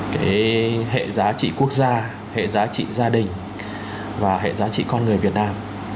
cái hệ giá trị quốc gia hệ giá trị gia đình và hệ giá trị con người việt nam